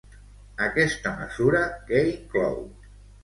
Aquesta mesura, què inclou?